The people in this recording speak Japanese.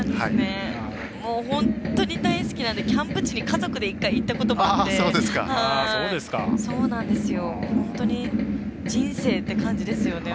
本当に大好きなのでキャンプ地に家族で１回、行ったこともあって本当に人生って感じですよね。